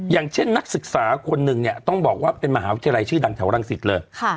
อย่างเช่นนักศึกษาคนหนึ่งเนี่ยต้องบอกว่าเป็นมหาวิทยาลัยชื่อดังแถวรังสิตเลย